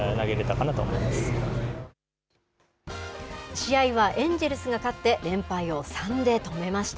試合はエンジェルスが勝って連敗を３で止めました。